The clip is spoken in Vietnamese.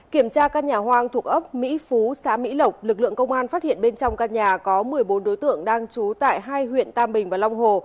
kiểm tra căn nhà hoang thuộc ấp mỹ phú xã mỹ lộc lực lượng công an phát hiện bên trong căn nhà có một mươi bốn đối tượng đang trú tại hai huyện tam bình và long hồ